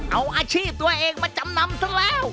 เอาอาชีพตัวเองมาจำนำทั้งแล้ว